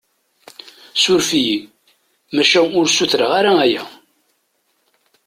Suref-iyi, maca ur sutreɣ ara aya.